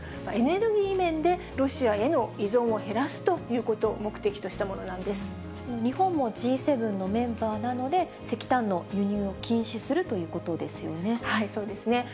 エネルギー面でロシアへの依存を減らすということを目的としたも日本もＧ７のメンバーなので、石炭の輸入を禁止するということですよね。